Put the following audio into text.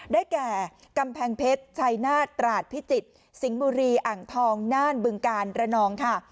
ได้แก่กำแพงเพชรชัยนาฏตราดพิจิตรสิงห์บุรีอ่างทองน่านบึงการระนองค่ะ